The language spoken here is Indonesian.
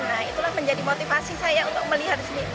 nah itulah menjadi motivasi saya untuk melihat sungai